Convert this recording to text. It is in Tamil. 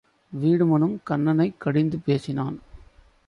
வீடுமனும் கன்னனைக் கடிந்து பேசினான்.